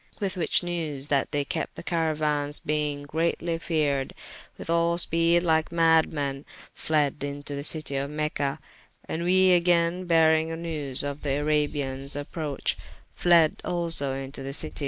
With which newes, they that kept the caraunas beyng greatly feared, with all speede, lyke madde men, fledde into the citie of Mecha, and we agayne bearyng newes of the Arabians approche, fledde also into the citie.